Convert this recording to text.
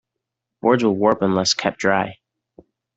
Boards will warp unless kept dry.